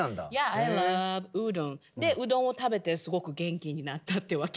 アイライクウードゥン。でうどんを食べてすごく元気になったってわけ。